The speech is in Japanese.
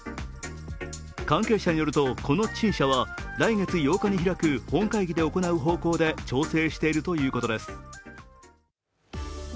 関係者にはよると、この陳謝は来月８日に開く本会議で行う方向で調整しているということです。